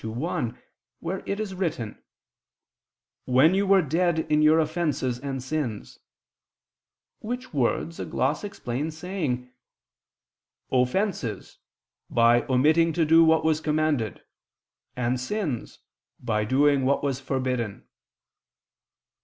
2:1), where it is written: "When you were dead in your offenses and sins," which words a gloss explains, saying: "'Offenses,' by omitting to do what was commanded, and 'sins,' by doing what was forbidden."